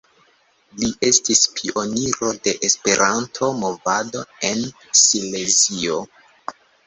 Li estis pioniro de Esperanto-movado en Silezio.